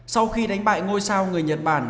sau khi đánh bại ngôi sao người nhật bản